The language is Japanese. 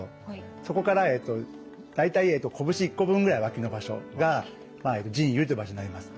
そこから大体こぶし１個分ぐらい脇の場所が腎兪という場所になります。